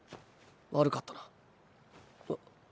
悪かったな。